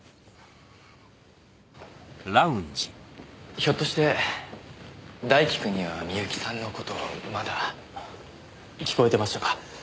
ひょっとして大輝くんには深雪さんの事まだ。聞こえてましたか。